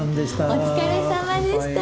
お疲れさまでした。